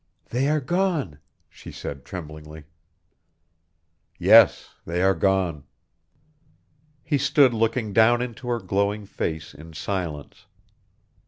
"They are gone," she said tremblingly. "Yes; they are gone." He stood looking down into her glowing face in silence.